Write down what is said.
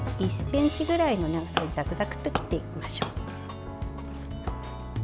１ｃｍぐらいの長さにザクザクと切っていきましょう。